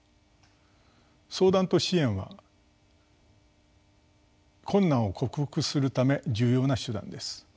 相談と支援は困難を克服するため重要な手段です。